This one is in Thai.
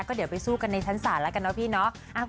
ก็เดี๋ยวไปสู้กันในชั้นศาลแล้วกันเนาะพี่เนาะ